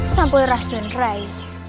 sampai rasain rai